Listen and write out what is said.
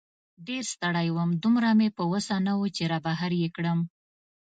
ډېر ستړی وم، دومره مې په وسه نه وه چې را بهر یې کړم.